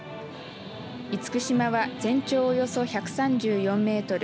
いつくしまは全長およそ１３４メートル